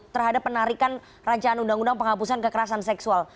terhadap penarikan rancangan undang undang penghapusan kekerasan seksual